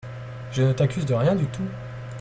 Je ne t’accuse de rien du tout !